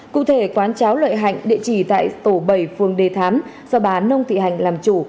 cụ thể quán cháo lợi hạnh địa chỉ tại tổ bảy phường đề thám do bà nông thị hạnh làm chủ